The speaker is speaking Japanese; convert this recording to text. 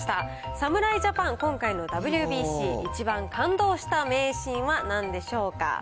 侍ジャパン、今回のＷＢＣ、一番感動した名シーンはなんでしょうか。